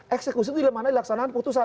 eksekusi itu dimana dilaksanakan putusan